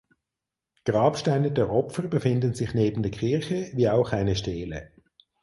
Grabsteine der Opfer befinden sich neben der Kirche wie auch eine Stele.